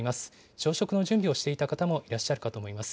朝食の準備をしていた方もいらっしゃるかと思います。